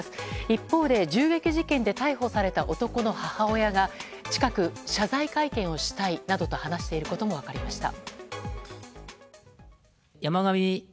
一方で銃撃事件で逮捕された男の母親が近く、謝罪会見をしたいなどと話していることも分かりました。